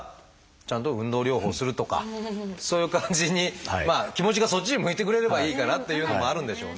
ちゃんと運動療法をするとかそういう感じにまあ気持ちがそっちに向いてくれればいいかなっていうのもあるんでしょうね。